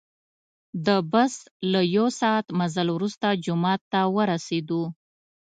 د بس له یو ساعت مزل وروسته جومات ته ورسیدو.